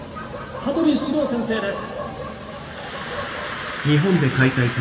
羽鳥志郎先生です。